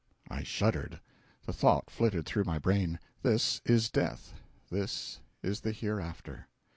I shuddered. The thought flitted through my brain, "this is death—this is the hereafter."